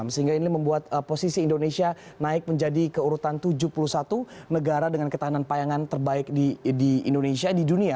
sehingga ini membuat posisi indonesia naik menjadi keurutan tujuh puluh satu negara dengan ketahanan payangan terbaik di indonesia di dunia